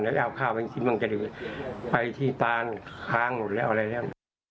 เอาข้าวไปกินบางกะดิวไปที่ตานข้างหมดแล้วอะไรแล้ว